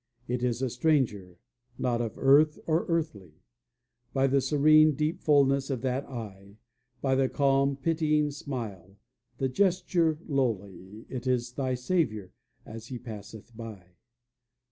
It is a stranger, not of earth or earthly; By the serene, deep fullness of that eye, By the calm, pitying smile, the gesture lowly, It is thy Saviour as He passeth by.